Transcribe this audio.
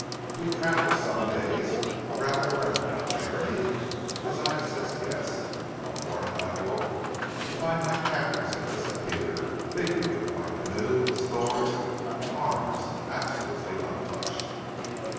We travelled some days, rather a roundabout journey, as I have since guessed, and one morning I awoke to find my captors had disappeared, leaving me with my canoe and stores and arms absolutely untouched."